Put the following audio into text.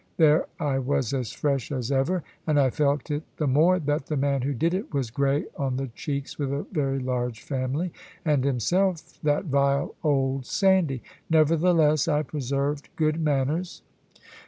There I was as fresh as ever. And I felt it the more that the man who did it was grey on the cheeks with a very large family, and himself that vile old Sandy! Nevertheless I preserved good manners.